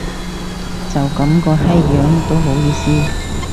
就噉個閪樣都好意思